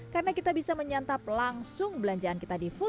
karena kita bisa menyantap langsung belanjaan kita di vodafone